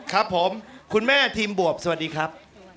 ครับผมคุณแม่ทีมบวบสวัสดีครับ